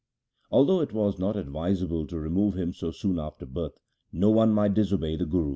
Although it was not advisable to remove him so soon after birth, no one might disobey the Guru.